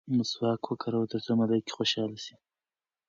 مسواک وکاروه ترڅو ملایکې خوشحاله شي.